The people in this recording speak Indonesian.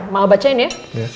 mau bacain ya